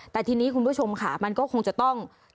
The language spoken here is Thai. แต่ทีนี้คุณผู้ชมค่ะมันก็คงจะต้อง